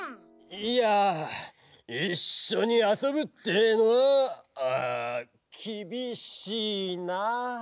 いやいっしょにあそぶってえのはきびしいな！